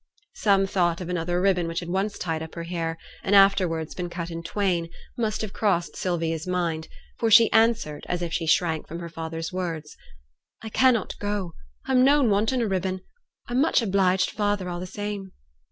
Some thought of another ribbon which had once tied up her hair, and afterwards been cut in twain, must have crossed Sylvia's mind, for she answered, as if she shrank from her father's words, 'I cannot go, I'm noane wantin' a ribbon; I'm much obliged, father, a' t' same.'